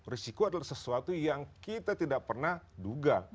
risiko adalah sesuatu yang kita tidak pernah duga